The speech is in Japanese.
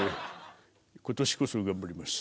今年こそ頑張ります。